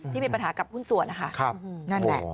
ที่มีปัญหากับหุ้นส่วนนะคะนั่นแหละ